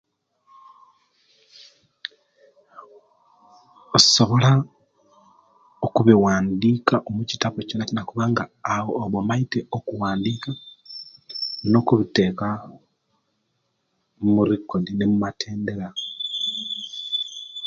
Osobola okubiwandika omukitabo kyonakyona kubanga awo oba omaite okuwandika nokubiteka murekodi nemumatendera